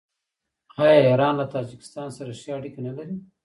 آیا ایران له تاجکستان سره ښې اړیکې نلري؟